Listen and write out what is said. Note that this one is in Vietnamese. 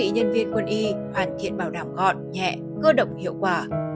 nhân viên quân y hoàn thiện bảo đảm gọn nhẹ cơ động hiệu quả